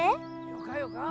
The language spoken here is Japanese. よかよか。